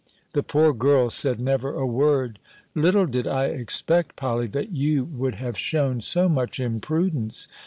The poor girl said never a word. "Little did I expect, Polly, that you would have shewn so much imprudence.